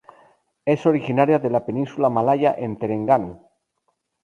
Es originaria de la Península Malaya en Terengganu.